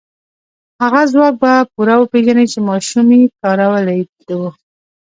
هغه ځواک به پوره وپېژنئ چې ماشومې کارولی و.